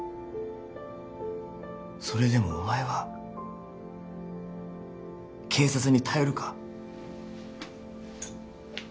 それでもお前は警察に頼るか？